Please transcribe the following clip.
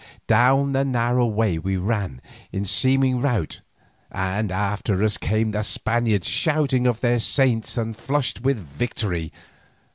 Down the narrow way we ran in seeming rout, and after us came the Spaniards shouting on their saints and flushed with victory.